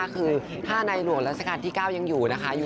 คือถ้าในหลวงราชการที่๙ยังอยู่นะคะ